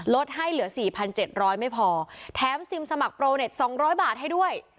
ให้เหลือ๔๗๐๐ไม่พอแถมซิมสมัครโปรเน็ต๒๐๐บาทให้ด้วย